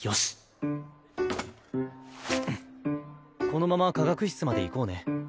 このまま化学室まで行こうね。